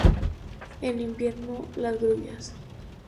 En invierno las grullas.